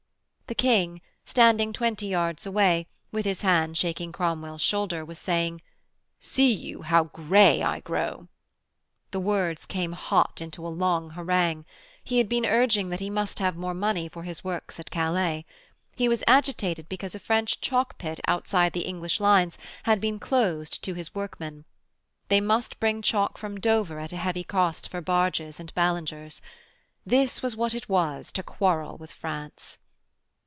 The King, standing twenty yards away, with his hand shaking Cromwell's shoulder, was saying: 'See you how grey I grow.' The words came hot into a long harangue. He had been urging that he must have more money for his works at Calais. He was agitated because a French chalk pit outside the English lines had been closed to his workmen. They must bring chalk from Dover at a heavy cost for barges and balingers. This was what it was to quarrel with France.